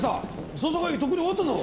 捜査会議とっくに終わったぞ。